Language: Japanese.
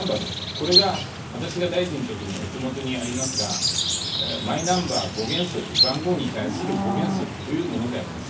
これが私が大臣のときにお手元にありますが、マイナンバー５原則、番号に対する５原則というものであります。